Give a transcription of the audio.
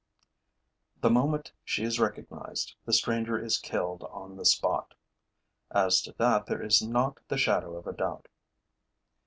The moment she is recognized, the stranger is killed on the spot. As to that there is not the shadow of a doubt.